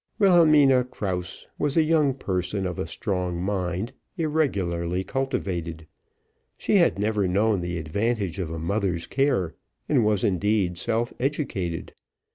Wilhelmina Krause was a young person of a strong mind irregularly cultivated; she had never known the advantage of a mother's care, and was indeed self educated.